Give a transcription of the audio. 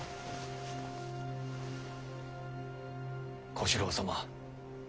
小四郎様。